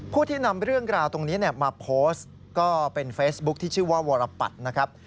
ผู้ที่นำเรื่องราวตรงนี้มาโพสต์ก็เป็นเฟซบุ๊คที่ชื่อว่าวรปัตรนะครับ